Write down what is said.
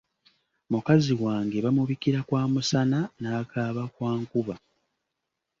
Mukazi wange bamubikira kwa musana n'akaaba kwa nkuba.